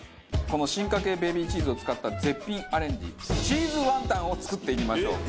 この進化系ベビーチーズを使った絶品アレンジチーズワンタンを作っていきましょう。